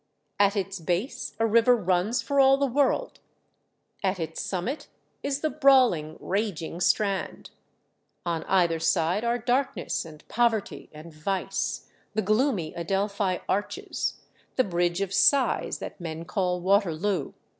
At its base a river runs for all the world; at its summit is the brawling, raging Strand; on either side are darkness and poverty and vice, the gloomy Adelphi arches, the Bridge of Sighs that men call Waterloo.